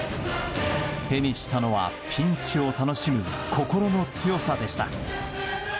手にしたのは、ピンチを楽しむ心の強さでした。